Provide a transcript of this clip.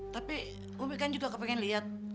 tapi umi kan juga gak pengen liat